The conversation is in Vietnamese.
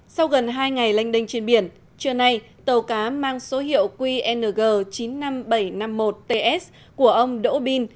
sau gần hai ngày lanh đênh trên biển trưa nay tàu cá mang số hiệu qng chín mươi năm nghìn bảy trăm năm mươi một ts của ông đỗ bin